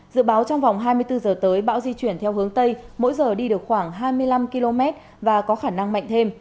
dự báo trong vòng hai mươi bốn h tới bão di chuyển theo hướng tây mỗi giờ đi được khoảng hai mươi năm km và có khả năng mạnh thêm